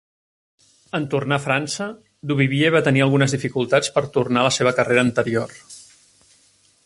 En tornar a França, Duvivier va tenir algunes dificultats per tornar a la seva carrera anterior.